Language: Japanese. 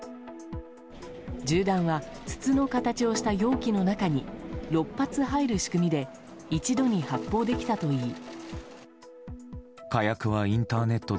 銃弾は筒の形をした容器の中に６発入る仕組みで一度に発砲できたといい。